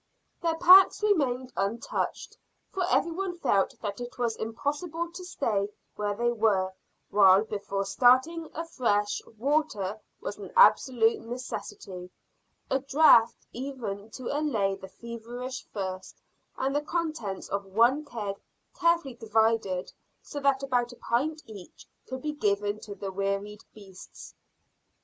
Their packs remained untouched, for every one felt that it was impossible to stay where they were, while before starting afresh water was an absolute necessity a draught each to allay the feverish thirst, and the contents of one keg carefully divided so that about a pint each could be given to the wearied beasts.